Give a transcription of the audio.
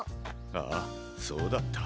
ああそうだった。